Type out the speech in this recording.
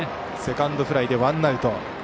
セカンドフライでワンアウト。